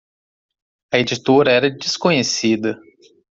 A editora era desconhecida.